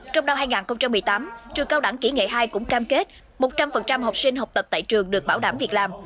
trong năm hai nghìn một mươi tám trường cao đẳng kỹ nghệ hai cũng cam kết một trăm linh học sinh học tập tại trường được bảo đảm việc làm